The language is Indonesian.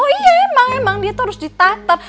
oh iya emang emang dia itu harus ditatar